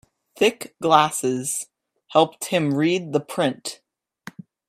Thick glasses helped him read the print.